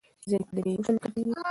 ځینې کلمې یو شان لیکل کېږي.